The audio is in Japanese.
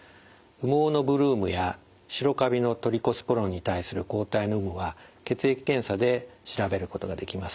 羽毛のブルームや白カビのトリコスポロンに対する抗体の有無は血液検査で調べることができます。